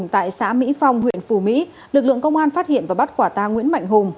tại xã mỹ phong huyện phù mỹ lực lượng công an phát hiện và bắt quả ta nguyễn mạnh hùng